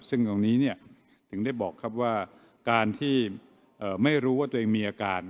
ซึ่งตรงนี้ถึงได้บอกครับว่าการที่ไม่รู้ว่าตัวเองมีอาการ